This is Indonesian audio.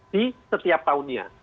di setiap tahunnya